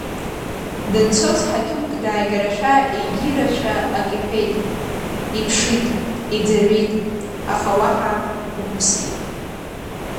Данцоз ҳақьымк дааигарашәа, егьирашәа ак иҳәеит, иԥшит, иӡырҩит, аха уаҳа умԥсит.